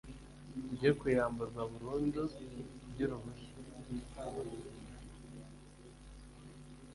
bye ku iyamburwa burundu ry uruhushya